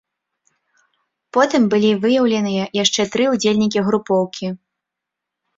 Потым былі выяўленыя яшчэ тры ўдзельнікі групоўкі.